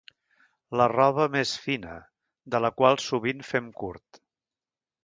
La roba més fina, de la qual sovint fem curt.